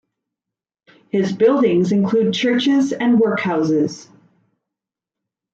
His buildings include churches and workhouses.